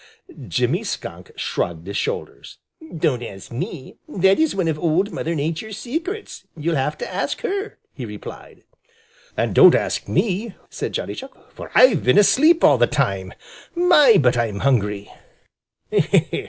Jimmy Skunk shrugged his shoulders. "Don't ask me. That is one of Old Mother Nature's secrets; you'll have to ask her," he replied. "And don't ask me," said Johnny Chuck, "for I've been asleep all the time. My, but I'm hungry!"